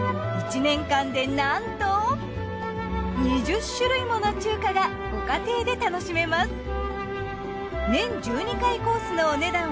１年間でなんと２０種類もの中華がご家庭で楽しめます。